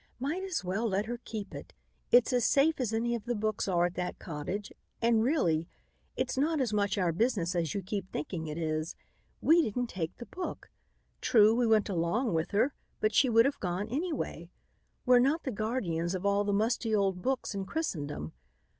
"Might as well let her keep it. It's as safe as any of the books are at that cottage, and, really, it's not as much our business as you keep thinking it is. We didn't take the book. True, we went along with her, but she would have gone anyway. We're not the guardians of all the musty old books in Christendom.